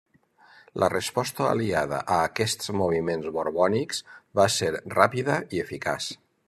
La resposta aliada a aquests moviments borbònics va ser ràpida i eficaç.